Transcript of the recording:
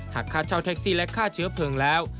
หากค่าเช่าแท็กซี่และค่าเชื้อเพลิงแล้ว